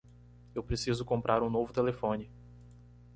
Eu preciso comprar um novo telefone.